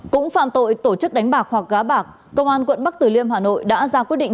cũng phạm tội tổ chức đánh bạc hoặc gá bạc công an quận bắc tử liêm hà nội đã ra quyết định